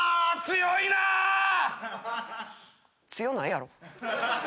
強ないやろ。